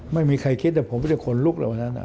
ไม่มีใครคิดแต่ผมไม่ได้ขนลุกแล้ววันนั้น